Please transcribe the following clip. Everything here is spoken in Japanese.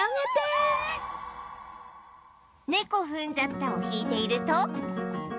『ねこふんじゃった』を弾いていると